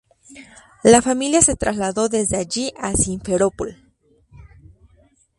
La familia se trasladó desde allí a Simferópol.